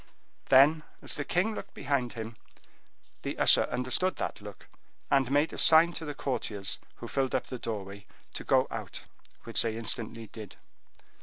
Then, as the king looked behind him, the usher understood that look, and made a sign to the courtiers who filled up the doorway to go out, which they instantly did.